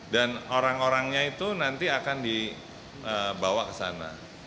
dan orang orangnya itu nanti akan dibawa ke sana